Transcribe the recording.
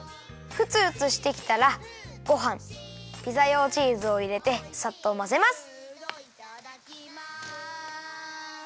ふつふつしてきたらごはんピザ用チーズをいれてさっとまぜます。